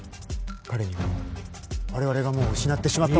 彼には我々がもう失ってしまったものを。